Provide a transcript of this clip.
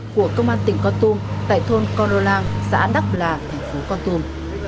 của công an tỉnh con tum tại thôn con rô lan xã đắk là tp con tum